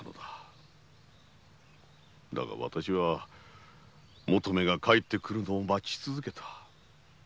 だがわたしは求馬が帰ってくるのを待ち続けた。